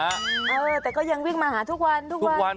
แต่ก็ยังวิ่งมาหาทุกวัน